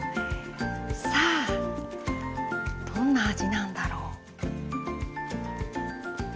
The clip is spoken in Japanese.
さあどんな味なんだろう？